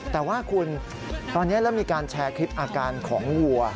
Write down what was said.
แต่ว่าคุณตอนนี้แล้วมีการแชร์คลิปอาการของวัว